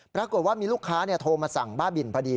ปรากฏว่ามีลูกค้าโทรมาสั่งบ้าบินพอดี